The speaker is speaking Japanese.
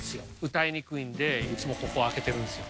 歌いにくいんで、いつもここ開けてるんですよ。